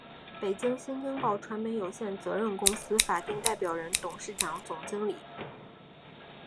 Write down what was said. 北京新京报传媒有限责任公司法定代表人、董事长、总经理